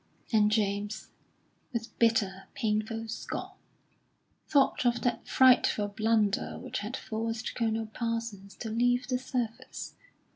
And James, with bitter, painful scorn, thought of that frightful blunder which had forced Colonel Parsons to leave the service.